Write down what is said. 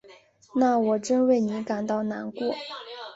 那我真为你感到难过。